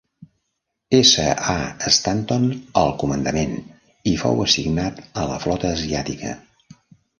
S. A. Stanton al comandament, i fou assignat a la flota asiàtica.